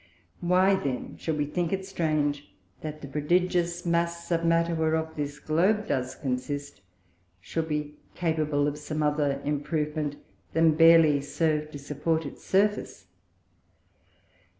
Why then should we think it strange that the prodigious Mass of Matter, whereof this Globe does consist, should be capable of some other improvement than barely to serve to support its Surface?